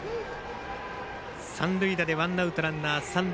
三塁打でワンアウトランナー、三塁。